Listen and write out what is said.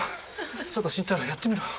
ちょっと新太郎やってみろ。